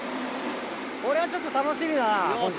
これはちょっと楽しみだな今回。